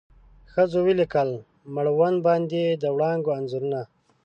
ښځو ولیکل مړوند باندې د وړانګو انځورونه